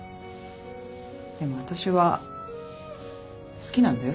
でも私は好きなんだよ